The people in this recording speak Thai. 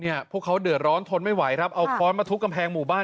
พวกเขาเดือดร้อนทนไม่ไหวครับเอาค้อนมาทุบกำแพงหมู่บ้าน